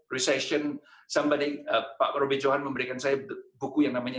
dua ribu empat resesi pak robby johan memberikan saya buku yang namanya